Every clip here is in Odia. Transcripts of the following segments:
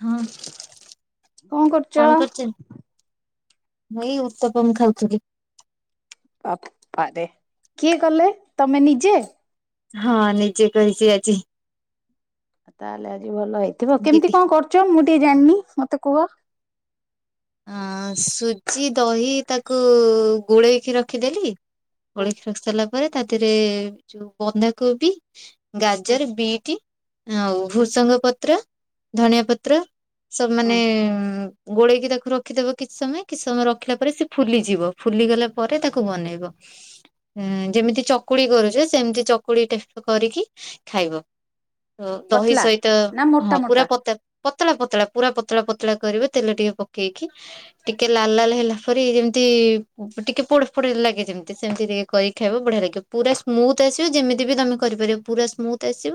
ହୁଁ କଣ କରୁଛନ୍ତି ମୁଁ ଏଇ ଉତପମ ଖାଉଥିଲି। ବାପା ରେ କିଏ କଲେ ତମେ ନିଜେ ହଁ ନିଜେ କରିଚି ଆଜି ତାହେଲେ ଆଜି ଭଲ ହେଇଥିବ ଦିଦି। କେମିତି କଣ କରୁଛ ମୁଁ ଟିକେ ଜାଣିନି ମତେ କୁହ ଅ ସୁଜି, ଦହି ତାକୁ ଗୋଳେଇକି ରଖିଦେଲି ହୁଁ ଗୋଳେଇ ରଖିସାରିଲା ପରେ ତା ଦେହରେ ଯୋଉ ବନ୍ଧାକୋବି ହୁଁ ଗାଜର, ବିଟ୍ ଆଉ ହୁଁ ଭୃସଙ୍ଗ ପତ୍ର ଧଣିଆ ପତ୍ର ହୁଁ ସବୁମାନେ ଗୋଳେଇକି ତାକୁ ରଖିଦବ କିଛି ସମୟ କିଛି ସମୟ ରଖିଲା ପରେ ସେ ଫୁଲିଯିବ ଫୁଲିଗଲା ପରେ ତାକୁ ବନେଇବ। ଉଁ ଯେମିତି ଚକୁଳି କରୁଚ ସେମିତି ଚକୁଳି ଟାଇପି କରିକି ଖାଇବ। ତ ଦହି ପତଲା ସହିତ ନା ମୋଟା ହଁ ମୋଟା? ପୁରା ପତା ପତଳା ପତଳା ପୁରା ପତଳା ପତଳା କରିବେ ତେଲ ଟିକେ ପକେଇକି ଟିକେ ଲାଲ ଲାଲ ହେଲା ପରି ଯେମିତି-ଇ-ଇ ଟିକେ ପୋଡ ଫୋଡ ଲାଗେ ଯେମିତି ସେମିତି ରେ କରିକି ଖାଇବ ବଢିଆ ଲାଗିବ। ପୁରା ସ୍ମୁଥ ଆସିବ ଯେମିତି ବି ତମେ କରିପାରିବ ପୁରା ସ୍ମୁଥ ଆସିବ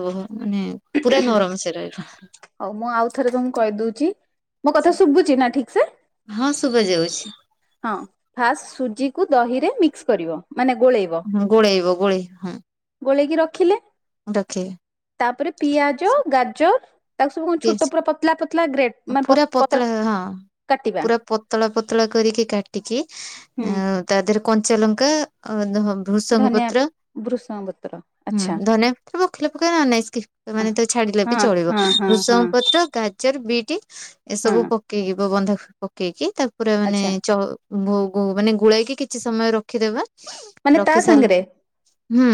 ଆବ ମାନେ ପୁରା ନରମ ସେ ରହିବ। ହଉ ମୁଁ ଆଉ ଥରେ ତମକୁ କହିଦଉଛି ମୋ କଥା ଶୁଭୁଛି ନା ଠିକ ସେ? ହଁ ଶୁଭା ଯାଉଛି। ହଁ ଫାଷ୍ଟ ସୁଜିକୁ ଦହିରେ ମିକ୍ସ କରିବ ମାନେ ଗୋଳେଇ ହଁ ଗୋଳେଇବ ଗୋଳେଇ ହଁ। ଗୋଳେଇକି ରଖିଲେ ରଖିବେ ତାପରେ ପିଆଜ, ଗାଜର ତାକୁ ସବୁ କଣ ଛୋଟ ପୁରା ପତଲା ପତଲା ଗ୍ରେଟ [unintelligible] ମାନେ ପୁରା ପତ୍ର ପତଳା ହଁ। କାଟିବା ପୁରା ପତଳା ପତଳା କରିକି କାଟିକି ହୁଁ ଅ-ଅ ତା ଦେହରେ କଞ୍ଚା ଲଙ୍କା ଆଉ ଦ ହବ୍ ଭୃଷଙ୍ଗ ଧନିଆ ପତ୍ର ଭୃଷଙ୍ଗ ପତ୍ର ହୁଁ ଆଚ୍ଛା ଧନିଆ ପତ୍ର ପକେଇଲେ ପକେଇବ ନ ହେଲେନାଇଁ ସ୍କିପ୍ ମାନେ ଛାଡିଲେ ବି ହଁ ଚଳିବ, ହଁ ହଁ ଭୃଷଙ୍ଗ ହଁ ପତ୍ର ଅ ଗାଜର, ବିଟ ହଁ ଏସବୁ ପକେଇବ ବନ୍ଧା କୋବି ପକେଇକି ତା ପୁରା ମାନେ ଆଚ୍ଛା ଚ ବୋ ବୋ ମାନେ ଗୋଳେଇକି କିଛି ସମୟ ରଖିଦେବା। ମାନେ ତା ରଖି ସାରିଲା ସାଙ୍ଗରେ ହୁଁ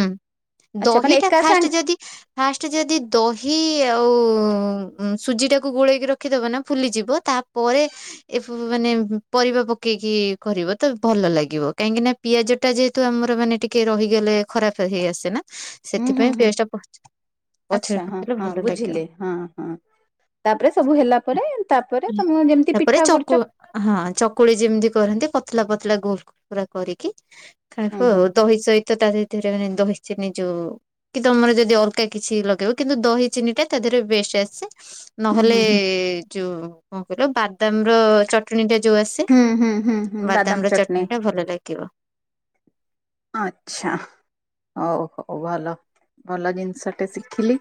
ଆଚ୍ଛା ମାନେ ଦହିଟା ଏକା ସାଙ୍ଗ ଫାଷ୍ଟ ଯଦି ଫାଷ୍ଟ ଯଦି ଦହି ଆଉ-ଉ-ଉ ସୁଜିଟାକୁ ଗୋଳେଇକି ରଖିଦବା ନା ଫୁଲିଯିବ ତା ପରେ ଏ-ଏ-ଏ ମାନେ ପରିବା ପକେଇକି କରିବ ତ ଭଲ ଲାଗିବ କାହିଁକି ନା ପିଆଜ ଟା ଯେହେତୁ ଆମର ମାନେ ଟିକେ ରହିଗଲେ ଖରାପ ହେଇ ଆସେ ନା [unintelligible] ସେଥିପାଇଁ ପିଆଜଟା ପ ଆଛା ହଁ ହଁ ବୁଝିଲେ ହଁ ହଁ। ତାପରେ ସବୁ ହେଲା ପରେ ତାପରେ ତମେ ଯେମିତି ତାପରେ ପିଠା ଚକୁ କରୁଛ ହଁ ଚକୁଳି ଯେମିତି କରନ୍ତି ପତଳା ପତଳା ଗୋ ପୁରା କରିକି ହୁଁ ଖାଇବ ହୁଁ ଆଉ ଦହି ସହିତ ତା ଭିତରେ ମାନେ ଦହି ଚିନି ଯୋଉ କି ତମର ଯଦି ଅଲଗା କିଛି ଲଗେଇବ କିନ୍ତୁ ଦହି ଚିନି ଟା ତା ଦେହରେ ବେଷ୍ଟ ଆସେ। ହୁଁ ହୁଁ ନହେଲେ-ଏ-ଏ-ଏ ଯୋଉ କଣ କହିଲ ବାଦାମ ର ଚ ଚଟଣି ଟା ଯୋଉ ଆସେ ହୁଁ ହୁଁ ହୁଁ ହୁଁ ହୁଁ ବାଦାମ ର ଚଟଣି ଟା ଭଲ ଲାଗିବ। ଆଚ୍ଛା ହଉ ହଉ ଭଲ ଭଲ ଜିନିଷ ଟା ଶିଖିଲି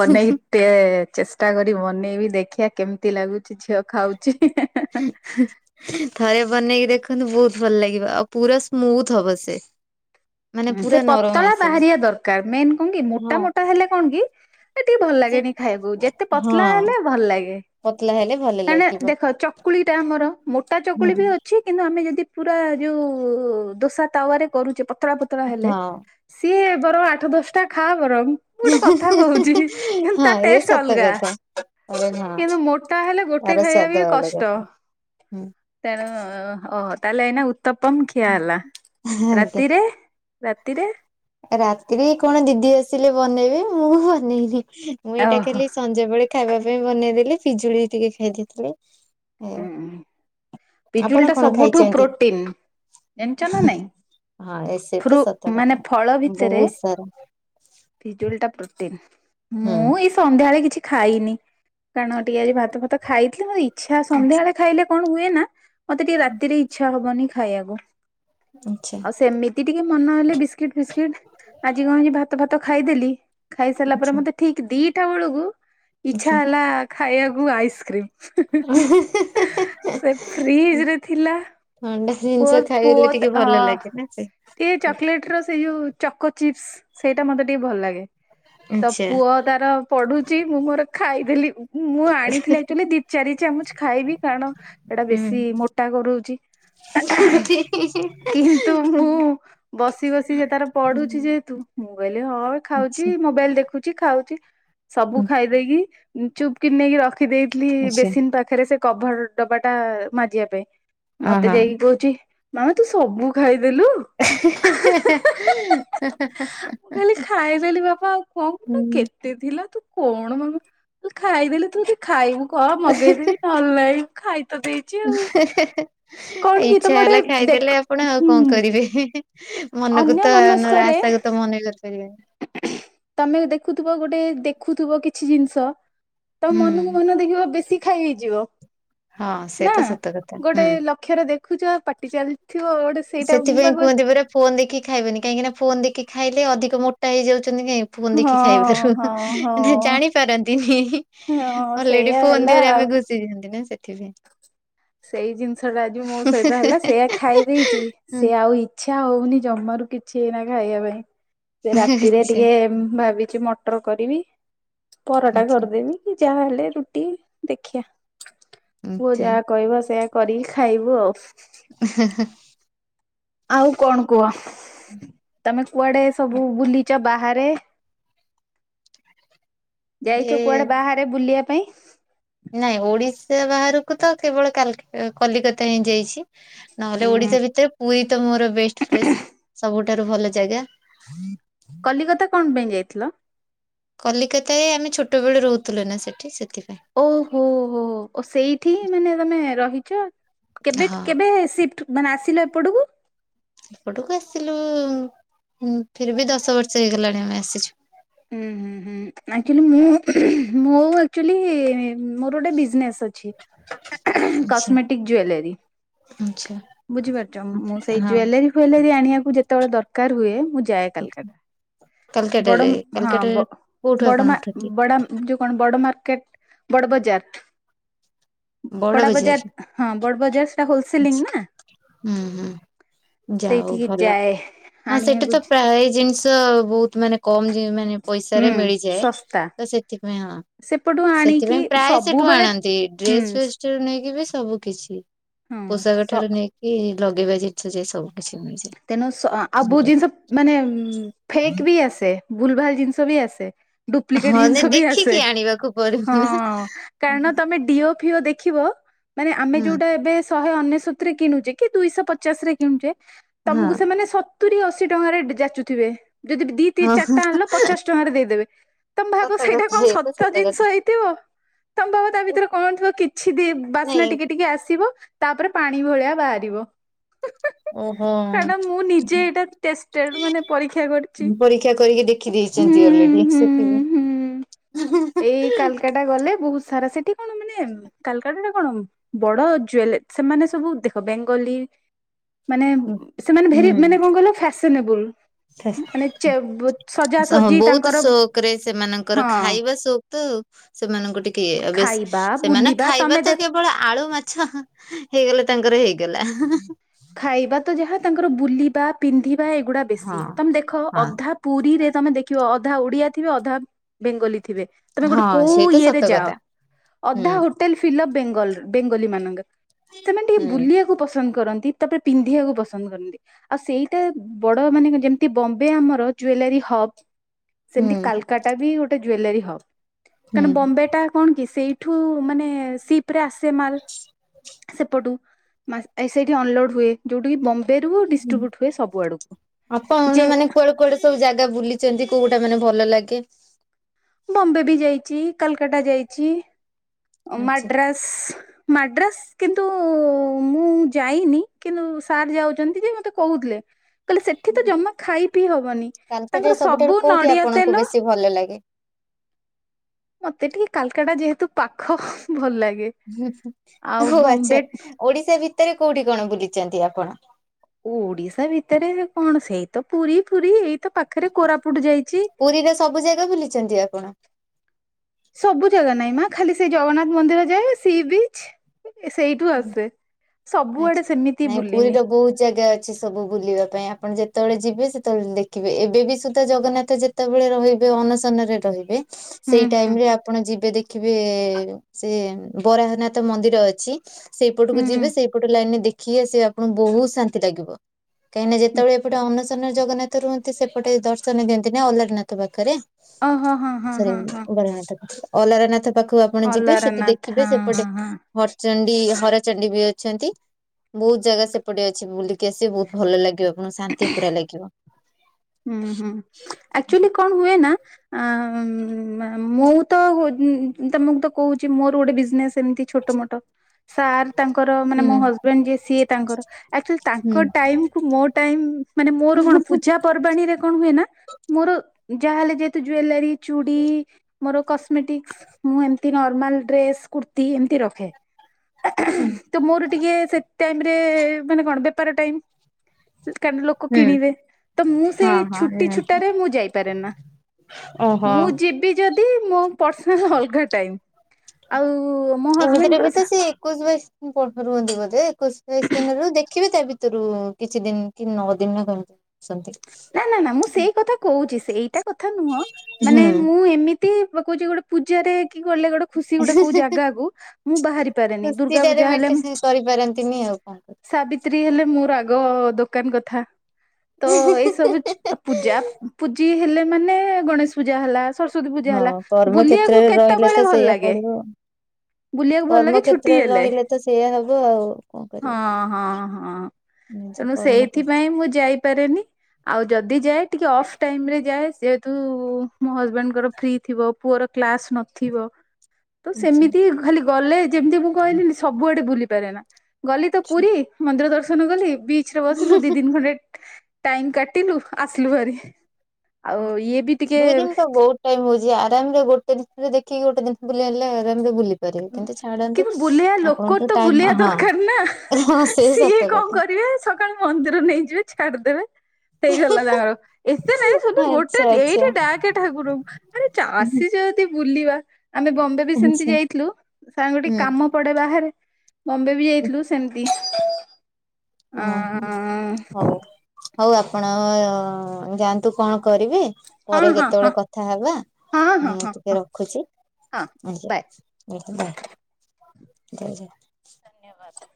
ବନେଇ ଟେ-ଏ-ଏ ଚେଷ୍ଟା କରି ବନେଇବି ଦେଖିବା କେମିତି ଲାଗୁଛି ଝିଅ ଖାଉଛି। ଥରେ ବନେଇକି ଦେଖନ୍ତୁ ବହୁତ ଭଲ ଲାଗିବ ଆଉ ପୁରା ସ୍ମୁଥ ହବ ସେ। ମାନେ ପୁରା ସେ ନରମ ପତଳା ଆସିବ ବାହାରିବା ଦରକାର ମେନ୍ କଣ କି ହଁ ମୋଟା ମୋଟା ହେଲେ କଣ କି ଏ ଟିକେ ଭଲ ସେ ଲାଗେନି ଖାଇଆକୁ ଯେତେ ହଁ ପତଲା ହେଲେ ଭଲ ଲାଗେ। ପତଲା ହେଲେ ଭଲ କାହିନା ଲାଗିବ। ଦେଖ ଚକୁଳି ଟା ଆମର ମୋଟା ହୁଁ ଚକୁଳି ବି ଅ ଛି କିନ୍ତୁ ଆମେ ଯଦି ପୁରା ଯୋଉ-ଉ-ଉ-ଉ ଦୋସା ତାୱାରେ କରୁଛେ ପତଳା ପତଳା ହେଲେ ହଁ ସିଏ ବରଂ ଆଠ ଦଶଟା ଖା ବରଂ ମୁଁ ଗୋଟେ କଥା କହୁଛି କିନ୍ତୁ ହଁ ତା ଏ ଟେଷ୍ଟ ସତ ଅଲଗା କଥା ଆରେ ହଁ। କିନ୍ତୁ ମୋଟା ହେଲେ ଗୋଟେ ତାର ଖାଇବା ସ୍ୱାଦ ବି ଅଲଗା କଷ୍ଟ। ପୁରା ତେଣୁ-ଉ-ଉ-ଉ ଓହୋ ତାହେଲେ ଏଇନା ଉତ୍ତପମ ଖିଆ ହେଲା। ଆଜ୍ଞା। ରାତିରେ? ରାତିରେ? ରାତିରେ କଣ ଦିଦି ଆସିଲେ ବନେଇବେ ମୁଁ ବନେଇନି ମୁଁ ଏଇଟା ଓହୋ ଖାଲି ସଞ୍ଜବେଳେ ଖାଇବା ପାଇଁ ବନେଇଦେଲି। ପିଜୁଳି ଟିକେ ଖାଇ ଦେଇଥିଲି ହୁଁ। ପିଜୁଳି ଟା ସବୁଠୁ ପ୍ରୋଟିନ ଜାଣିଛ ନା ନାଇଁ। ହଁ ଏ ସେ ତ ଫ୍ରୁ ସତ ମାନେ କଥା। ଫଳ ଭିତରେ ବହୁତ ସାରା ପିଜୁଳି ଟା ପ୍ରୋଟିନ୍। ହୁଁ। ସନ୍ଧ୍ୟାବେଳେ କିଛି ଖାଇନି କାରଣ ଟିକେ ଆଜି ଭାତ ଫାତ ଖାଇଥିଲି ମୋତେ ଇଚ୍ଛା ସନ୍ଧ୍ୟାବେଳେ ଖାଇଲେ କଣ ହୁଏ ନା ମତେ ଟିକେ ରାତିରେ ଇଚ୍ଛା ହବନି ଖାଇବାକୁ। ଆଚ୍ଛା ଆଉ ସେମିତି ଟିକେ ମନ ହେଲେ ବିସ୍କିଟ ଫିସ୍କିଟ ଆଜି କଣ ଭାତ ଭାତ ଖାଇଦେଲି ଖାଇସାରିଲା ପରେ ଆଚ୍ଛା ମତେ ଠିକ ଦିଟା ବେଳକୁ ଇଛା ଆଚ୍ଛା। ହେଲା ଖାଇବାକୁ ଆଇସ୍କ୍ରିମ୍ ଫ୍ରିଜ ରେ ଥିଲା। ଥଣ୍ଡା ଜିନିଷ ଖାଇଲେ ଟିକେ ଭଲ ଲାଗେ ନା ସେ? ଏ ଚକୋଲେଟ ର ସେଇ ଯୋଉ ଚକୋ ଚିପ୍ସ ସେଇଟା ମତେ ଟିକେ ଭଲ ଲାଗେ। ତ ଆଚ୍ଛା ପୁଅ ତାର ପଢୁଛି ମୁଁ ମୋର ଖାଇଦେଲିି। ମୁଁ ଆଣିଥିଲି ଆକ୍ଚୁଆଲି ଦି ଚାରି ଚାମଚ ଖାଇବି କାରଣ ଏଇଟା ବେଶୀ ହୁଁ। ମୋଟା କରଉଛି। ଆଚ୍ଛା କିନ୍ତୁ ମୁଁ ବସି ବସି ସେ ତାର ପଢୁଛି ଯେହେତୁ ମୁଁ କଇଲି ହଁ ଖାଉଛି ମୋବାଇଲ ଦେଖୁଛି ଖାଉଛି ସବୁ ଖାଇ ଦେଇକି ଚୁପ୍ କି ନେଇକି ରଖିଦେଇଥିଲି ଆଚ୍ଛା ବେସିନ୍ ପାଖରେ ସେ କଭର୍ ଡବା ଟା ମାଜିବା ପାଇଁ। ମତେ ଓହୋ। ଯାଇକି କହୁଛି ମାମା ତୁ ସବୁ ଖାଇଦେଲୁ? [unintelligible] ମୁଁ କଇଲି ଖାଇଦେଲି ବାପା ଆଉ କଣ କ ହୁଁ। କେତେ ଥିଲା ତୁ କଣ ମାମା। ମୁଁ ଖାଇଦେଲି ତୁ ଯଦି ଖାଇବୁ କହ ମଗେଇଦେବି ନହେଲେ ନାଇଁ ମୁଁ ଖାଇ ତ ଦେଇ ତମେ ଇଚ୍ଛା ଗୋଟେ ହେଲା ଦେଖ ଖାଇଦେଲେ ଆପଣ ଆଉ ହୁଁ କଣ କରିବେ। ଅନ୍ୟ ମନକୁ ତ ମନସ୍କରେ ଆଶାକୁ ତ ମନେ କରିପାରିବେନି। ତମେ ଦେଖୁଥିବ ଗୋଟେ ଦେଖୁଥିବ କିଛି ଜିନିଷ ତମ ହୁଁ ମନକୁ ମନ ଦେଖିବ ବେଶୀ ଖାଇ ହେଇଯିବ। ହଁ ସେ ନା ତ ସତ କଥା ହୁଁ। ଗୋଟେ ଲ ଅକ୍ଷରେ ଦେଖୁଛ ପାଟି ଚାଲିଥିବ ଗୋଟେ ସେଇଟା ମୁଁ ପା ସେଥିପାଇଁ କହୁ କୁହନ୍ତି ପରା ଫୋନ ଦେଖି ଖାଇବନି କାହିଁକି ନା ଫୋନ ଦେଖି ଖାଇଲେ ଅଧିକ ମୋଟା ହେଇଯାଉଛନ୍ତି କାଇଁ। ଫୋନ୍ ଦେଖି ହଁ ଖାଇପାରୁ ହଁ ହଁ ମାନେ ଜାଣି ପାରନ୍ତିନି। ହଁ ଅଲ୍ ରେଡି ସେଇଆ ଫୋନ୍ ହେଲା ଦିଅରେ ଆଉ। ଆମେ ଘୁସି ଜାଆନ୍ତିନା ନା ସେଥିପାଇଁ। ସେଇ ଜିନିଷ ଟା ଆଜି ମୋ ସହିତ ହେଲା ସେଇଆ ଖାଇ ଦେଇଛି ହୁଁ ସେ ଆଉ ଇ ଇଛା ହଉନି ଜମାରୁ କିଛି ଏଇନା ଖାଇବା ପାଇଁ ସେ ରାତିରେ ଆଚ୍ଛା ଟିକେ ଭାବିଛି ମ ଟର କରିବି ପରଟା ଆଚ୍ଛା କରିଦେବି କି ଯାହାହେଲେ ରୁଟି ଦେଖି ଆ ପୁଅ ଆଚ୍ଛା। ଯାହା କହିବ ସେଇଆ କରିକି ଖାଇବୁ ଆଉ। [unintelligible] ଆଉ କଣ କୁହ। ତମେ କୁଆଡେ ସବୁ ବୁଲିଚ ବାହାରେ? ଯାଇଛ ଆଡେ କୁଆଡେ ବାହାରେ ବୁଲିବା ପାଇଁ? ନାଇଁ ଓଡିଶା ବାହାରକୁ ତ କେବଳ କାଲ୍ କଲିକତା ହିଁ ଯାଇଛି। ନହେଲେ ଉଁ ଓଡିଶା ଭିତରେ ପୁରୀ ତ ମୋର ବେଷ୍ଟ ପ୍ଲେସ୍। ସବୁଠାରୁ ଭଲ ଜାଗା। କଲିକତା କଣ ପାଇଁ ଯାଇଥିଲ? କଲିକତାରେ ଆମେ ଛୋଟବେଳୁ ରହୁଥିଲୁ ନା ସେଠି ସେଥିପାଇଁ। ଓହୋ ହୋ ଓ ସେଇଠି ହିଁ ମାନେ ତମେ ରହିଛ କେବେ ହଁ କେବେ ସିଫ୍ଟ ମାନେ ଆସିଲ ଏପଟକୁ। ଏପଟକୁ ଆସିଲୁ ଫିର୍ ବି ଦଶ ବର୍ଷ ହେଇଗଲାଣି ଆମେ ଆସିଛୁ। ହୁଁ ହୁଁ ହୁଁ ଆଚୁଲି ମୁଁ, ମୋ ଆକ୍ଚୁଲି ମୋର ଗୋଟେ ବିଜନେସ୍ ଅଛି ଆଚ୍ଛା କସ୍ମେଟିକ ଜୁଏଲରୀ। ଆଚ୍ଛା ବୁଝିପାରୁଛ। ମୁଁ ସେଇ ହଁ ଜୁଏଲରୀ ଫୁଏଲରୀ ଆଣିବାକୁ ଯେତେବେଳେ ଦରକାର ହୁଏ ମୁଁ ଯାଏ। କାଲକାଟା। ବଡ କାଲକାଟାରେ। ହଁ କାଲକାଟାରେ ବ କୋଉଠୁ ବଡ ଆପଣ ମା ଉଠନ୍ତି ବଡା ଯୋଉ କଣ ବଡ ମାର୍କେଟ ବଡ ବଜାର। [inaudible] ବଡ ବଡ଼ା ବଜାରରୁ ବଜାର ହଁ ବଡ଼ ବଜାର ସେଟା ହୋଲସେଲିଂ ନା। ଯା ହୋଉ ସେଇଠିକି ଭଲ ଯାଏ। ହଁ ସେଠି ଆଣିବାକୁ ତ ପ୍ରାଏ ଜିନିଷ ବହୁତ ମାନେ। କମ୍ ଜି ମାନେ ପଇସାରେ ହୁଁ ମିଳିଯାଏ ଶସ୍ତା ତ ସେଥିପାଇଁ ହଁ। ସେପଟୁ ଆଣିକି ସେଥିପାଇଁ ପ୍ରାଏ ସେଠୁ ସବୁବେଳେ ଆଣନ୍ତି। ହୁଁ ଡ୍ରେସ୍ ଫ୍ରେସ୍ ଠାରୁ ନେଇକି ବି ସବୁ କିଛି ହଁ ପୋଷାକଠାରୁ ନେଇ କି ଲଗେଇବା ଜିନିଷ ଯେ ସବୁ କିଛି ମିଳୁଛି। ତେଣୁ ସ ଆ ବହୁତ ଜିନିଷ ମାନେ ଫେକ୍ ବି ଆସେ। ଭୁଲ୍ ଭାଲ୍ ଜିନିଷ ବି ଆସେ। ଡୁପ୍ଲିକେଟ ହଁ ନାଇଁ ଜିନିଷ ବି ଦେଖିକି ଆସେ ଆଣିବାକୁ ପଡିବ ହଁ କାରଣ ତମେ ଡିଓ। ଫିଓ ଦେଖିବ ମାନେ ଆମେ ନା। ଯୋଉଟା ଏବେ। ଶହେ ଅନେଶ୍ଵତରେ କିଣୁଚେ କି ଦୁଇଶହ ପଚାଶରେ କିଣୁଛେ ହଁ ତମୁକୁ ସେମାନେ ସ ତୁରି ଅଶୀ ଟଙ୍କାରେ ଯାଚୁଥିବେ ଯଦି ଦି ଦି ହଁ ହଁ ଚାରଟା ଆଣିଲ ପଚାଶ ଟଙ୍କାରେ ଦେଇଦେବେ। ତମେ ଭାବ ସତ ସେଇଟା କଥା କଣ ଏ ତ ସତ ଜିନିଷ କଥା। ହେଇଥିବ। ତମେ ଭାବ ତା ଭିତରେ କଣଥିବ କିଛି ବି ବାସ୍ନା ନାଇଁ ଟିକେ ଟିକେ ଆସିବ। ତାପରେ ପାଣି ଭଳିଆ ବାହାରିବ। ଓହୋ କାରଣ ମୁଁ ନିଜେ ଏଇଟା ଟେଷ୍ଟେଡ୍ ମାନେ ପରୀକ୍ଷା କରିଛି। ମୁଁ ପରୀକ୍ଷା କରିକି ଦେ ଖି ହୁଁ ଦେଇଛନ୍ତି ଅଲରେଡି ହୁଁ ସେଠି ବା। ହୁଁ ଏଇ କାଲକାଟା ଗଲେ ବହୁତ ସାରା ସେଠି କଣ ମାନେ। କାଲକାଟାରେ କଣ ବଡ ଜୁଏଲ ସେମାନେ ସବୁ ଦେଖ ବେଙ୍ଗଲୀ। ମାନେ ସେମାନେ ଭେରି ମାନେ ହୁଁ କଣ କହିଲ ଫ୍ୟାସେନେବୁଲ ମାନେ [unintelligible] ହଁ ସଜି ବହୁତ ତାଙ୍କର ସୋକରେ ସେମାନଙ୍କର ହଁ ଖାଇବା ସୋକ ତ। ସେମାନଙ୍କୁ ଟିକେଏ ବେଶି ଖାଇବା ସେମାନେ ବୁଲିବା ତମେ ଖାଇବାରେ ଦେଖ ତ କେ ବଳ ଆଳୁ ମାଛ ହେଇଗଲେ ତାଙ୍କର ହେଇଗଲା। ଖାଇବା ତ ଯାହା ତାଙ୍କର ବୁଲିବା ପିନ୍ଧିବା ଏଗୁଡା ବେଶୀ ହଁ ତମେ ଦେଖ ହଁ ଅଧା। ପୁରୀରେ ତମେ ଦେଖିବ ଅଧା ଓଡିଆ ଥିବେ ଅଧା ବେଙ୍ଗଲୀ ଥିବେ। ତମେ ଗୋଟେ ହଁ କୋଉ ସେଇଟା ଇଏରେ ସତ ଯାଅ କଥା। ହୁଁ ଅଧା ହୋ ଟେଲ ଫିଲଫ ବେଙ୍ଗଲର ବେଙ୍ଗଲୀମାନଙ୍କ ସେମାନେ ଟିକେ ହୁଁ ବୁଲିବାକୁ ପସନ୍ଦ କରନ୍ତି। ତାପରେ ପିନ୍ଧିବାକୁ ପସନ୍ଦ କରନ୍ତି। ଆଉ ସେଇଟା ବଡ ମାନେ ଯେମତି ବମ୍ବେ ଆମର ଜୁଏଲାରୀ ହବ୍। ହୁଁ ସେମିତି କାଲକାଟା ବି ଗୋଟେ ଜୁଏଲାରୀ ହବ ହୁଁ। କାରଣ ବମ୍ବେଟା। କଣ କି ସେଇଠୁ ମାନେ ସିପରେ ଆସେ ମାଲ୍। ସେପଟୁ ମାନେ ଏଇ ସେଇଠି ଅନଲୋଡ। ହୁଏ ଯୋଉଠିକି ବମ୍ବେ ରୁ ହୁଁ। ଡିସଟ୍ରିବ୍ୟୁଟ ହୁଏ ସବୁଆଡକୁ ଆପଣ ଯେ। ମାନେ କୁଆଡେ କୁଆଡେ ସବୁ ଜାଗା ବୁଲିଛନ୍ତି କୋଉଟା ମାନେ ଭଲ ଲାଗେ? ବମ୍ବେ ବି ଯାଇଛି କାଲକାଟା ଯାଇଛି ଅ ଆଚ୍ଛା ମାଡ୍ରାସ। ମାଡ୍ରାସ୍। କିନ୍ତୁ ମୁଁ ଯାଇନି କିନ୍ତୁ ସାର୍ ଯାଉଚନ୍ତି ଯେ ମତେ କହୁଥିଲେ। କହିଲେ ସେଠି ତ ଜମା ଖାଇପିଇ ହବନି କାଲକାଟା ତାଙ୍କର ସବୁଠାରୁ ସବୁ କୋଉଠି ନଡିଆ ଆପଣଙ୍କୁ ତେଲ। ବେଶୀ ଭଲ ଲାଗେ। ମତେ ଟିକେ କାଲକାଟା ଯେହେତୁ ପାଖ ଭଲ ଲାଗେ। ଆଉ ହଉ ବମ୍ବେ ଆଚ୍ଛା ଓଡିଶା ଭିତେରେ କୋଉଠି କଣ ବୁଲିଛନ୍ତି ଆପଣ? ଓଡିଶା ଭିତେରେ କଣ ସେଇ ତ ପୁରୀ ଫୁରୀ ଏଇତ ପାଖରେ କୋରାପୁଟ ଯାଇଚି। ପୁରୀରେ ସବୁ ଜାଗା ବୁଲିଛନ୍ତି ଆପଣ। ସବୁ ଜାଗା ନାଇଁ ମା ଖାଲି ସେ ଜଗନ୍ନାଥ ମନ୍ଦିର ଯାଏ ସି ବିଚ। ସେଇଠୁ ଆସେ ସବୁଆଡେ ଆଚ୍ଛା। ସେମିତି ନାଇଁ ବୁଲିନି। ପୁରୀର ବହୁତ ଜାଗା ଅଛି। ସବୁ ବୁଲିବା ପାଇଁ ଆପଣ ଯେତେବେଳେ ଯିବେ ସେତେବେଳେ ଦେଖିବେ ଏବେ ବି ସୁଦ୍ଧା ଜଗନ୍ନାଥ। କେତେବେଳେ ରହିବେ ଅନଶନରେ ରହିବେ। ସେଇ ଟାଇମ ରେ ଆପଣ ଯିବେ ଦେଖିବେ ସେ ବରାହନାଥ ମନ୍ଦିର ଅଛି। ସେଇପଟକୁ ଯିବେ ସେଇପଟ ଲାଇନରେ ଦେଖିକି ଆସିବେ ଆପଣଙ୍କୁ ବହୁତ ଶାନ୍ତି ଲାଗିବ। କାହିଁକି ନା ଯେତେବେଳେ ଏପଟେ ଅନସନ ରେ ଜଗନ୍ନାଥ ରୁହନ୍ତି ସେପଟେ ଦର୍ଶନ ଦିଅନ୍ତି ନା ଅଲାରନାଥ ପାଖରେ। ସରେ ବରନାଥ ଅଲରନାଥ ପାଖକୁ। ଆପଣ ଯିବେ ସେଠି ଦେଖିବେ ସେପଟେ। ଚଣ୍ଡି ହର ଚଣ୍ଡୀ ବି ଅଛନ୍ତି ବହୁତ ଜାଗା ସେପଟେ ଅଛି ବୁଲିକି ଆସିବେ ବହୁତ ଭଲ ଲାଗିବ। ଆପଣଙ୍କୁ ଶାନ୍ତି ପୁରା ଲାଗିବ। ହୁଁ ହୁଁ ଆକ୍ଚୁଆଲି କଣ ହୁଏ ନା। ଆ ମୁଁ ତ ତମକୁ ତ କହୁଛି ମୋର ଗୋଟେ ବିଜନେସ ଏମିତି ଛୋଟ ମୋଟ। ସାର୍ ତାଙ୍କର ମାନେ ହୁଁ ମୋ ହଜବେଣ୍ଡ ଯିଏ ସିଏ ତାଙ୍କର। ଆକଚୁଆଲି ତାଙ୍କ ହୁଁ ଟାଇମ କୁ ମୋ ଟାଇମ ମାନେ ମୋର କଣ ପୂଜା ପର୍ବାଣୀରେ କଣ ହୁଏ ନା ମୋର ଯାହା ହେଲେ ଯେହେତୁ ଜୁଏଲାରୀ ଚୁଡ଼ି ମୋର କସମେଟିକ୍ ମୁଁ ଏମିତି ନର୍ମାଲ ଡ୍ରେସ୍ କୁ ତି ଏମିତି ରଖେ। ହୁଁ ତ ମୋର ଟିକେ ସେ ଟାଇମରେ ମାନେ କଣ ବେପାର ଟାଇମ କାଇଁ ନା ଲୋକ କିଣିବେ। ତ ମୁଁ ହଁ ସେଇ ଛୁଟି ହଁ ଛୁଟାରେ ମୁଁ ଯାଇପାରେ ନା ଓହୋ। ମୁଁ ଯି ଯଦି ମୋ ପରସନାଲ ଅଲଗା ଟାଇମ। ଆଉ ମୋ ଏମିତିରେ ହଜବେଣ୍ଡଙ୍କର ବି ତ ସେ ଏକୋଇଶି ବାଇଶି ଦିନ ପଠରୁ ହୁଅନ୍ତି ବୋଧେ ଏକୋଇଶି ବାଇଶି ଦିନରୁ ଦେଖ ଦେଖିବେ ତା ଭିତରୁ କିଛି ଦିନ କି ନଅ ଦିନ ନା କଣ। ସମଥିଙ୍ଗ। ନା ନା ନା ମୁଁ ସେଇ କଥା କହୁଛି ସେଇଟା କଥା ନୁହଁ ମାନେ ହୁଁ। ମୁଁ ଏମିତି କହୁଛି ଗୋଟେ ପୂଜାରେ ଗଲେ ଗୋଟେ ଖୁସି ଗୋଟେ କୋଉ ଜାଗା କୁ ମୁଁ ବାହାରି ପାରେନି ଦୁର୍ଗା ଖୁସିଟାରେ ପୂଜା ହେଲେ ମେଣ୍ଟେନ କରିପାରନ୍ତିନି ଆଉ କଣ। ସାବିତ୍ରୀ ହେଲେ ମୋର ଆଗ ଦୋକାନ କଥା ତ ଏଇ ସବୁ ପୂଜା ପୂଜି ହେଲେ ମାନେ ଗଣେଶ ପୂଜା ହେଲା। ସରସ୍ଵତୀ ପୂଜା ହେଲା ହଁ କର୍ମ ବୁଲିବାକୁ କ୍ଷେତ୍ରରେ ରହିଲେ କେତେବେଳେ ତ ଭଲ ସେଇଆ ଲାଗେ? ପଡିବ ବୁଲିବାକୁ ଭଲ କର୍ମ ଲାଗେ ଛୁଟି କ୍ଷେତ୍ରରେ ହେଲେ ରହିଲେ ତ ସେଇଆ ହବ ଆଉ କଣ ହଁ କରିବେ। ହଁ ହଁ। ନିଜ ତେଣୁ କର୍ମ କର ସେଇଥିପାଇଁ ମୁଁ ଯାଇପାରେନି। ଆଉ ଯଦି ଯାଏ ଟିକେ ଅଫ୍ ଟାଇମ ରେ ଯାଏ ଯେହେତୁ ମୋ ହଜବେଣ୍ଡଙ୍କର ଫ୍ରି ଥିବ। ପୁଅର କ୍ଲାସ ନଥିବ। ତ ଆଚ୍ଛା। ସେମିତି ଖାଲି ଗଲେ ଯେମିତି ମୁଁ କହିଲିିନି ସବୁଆଡେ ବୁଲିପାରେନା। ଗଲି ତ ପୁରୀ ମନ୍ଦିର ଦର୍ଶନ କଲି ବିଚ୍ ରେ ବସିଲୁ ଦି ଦିନ ଖଣ୍ଡେ ଟାଇମ କା କାଟିଲୁ ଆସିଲୁ ଭାରି ଆଉ ଇଏ ବି ଟିକେ ଦୁଇ ଦିନ ତ ବହୁତ ଟାଇମ ହଉଛି ଆରାମରେ ଗୋଟେ ଜିନିଷ ରେ ଦେଖିକି ଗୋଟେ ଜିନଷ ବୁଲ ଆଣେ ଆରାମରେ ବୁଲି ପାରିବେ କିନ୍ତୁ ଛାଡନ୍ତୁ କିନ୍ତୁ ବୁଲେଇବା ଲୋକ ଆପଣଙ୍କୁ ତ ଟାଇମ ବୁଲେଇବା ହଁ ଦରକାର ନା ହଁ ସେ ସିଏ ସତ କଣ କଥା। କରିବେ କାଳୁ ମନ୍ଦିର ନେଇଯିବେ ଛାଡିଦେବେ। ହେଇଗଲା ତାଙ୍କର ଏତେ ନାଇଁ ଗୋଟେ ଆଚ୍ଛା ଆଚ୍ଛା ଏଇଟା ଡାକେ ଠାକୁରଙ୍କୁ ଆରେ ଚା ଆସିଚେ ଜ ଏମିତି ବୁଲିବା ଆମେ ବମ୍ବେ ବି ଆଚ୍ଛା ସେମିତି ଯାଇଥିଲୁ ସାଙ୍ଗ ଟିକେ ହୁଁ। କାମ ପଡେ ବାହାରେ ବମ୍ବେ ବି ଯାଇଥିଲୁ ସେମିତି ଓହୋ ଅଁ ହଉ ହଉ ଆପଣ ଯାଆନ୍ତୁ କଣ କରିବେ ପରେ ହଁ ହଁ କେତେବେଳେ ହଁ କଥା ହେବା ହଁ ହଁ ମୁଁ ହଁ ଟିକେ ହଁ ରଖ ଖୁଛି ହଁ ବାଏ ଆଜ୍ଞା ବାଏ [unintelligible] ଧନ୍ୟବାଦ।